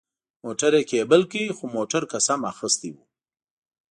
موټر یې کېبل کړ، خو موټر قسم اخیستی و.